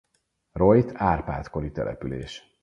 Rojt Árpád-kori település.